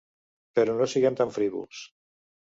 Però no siguem tan frívols.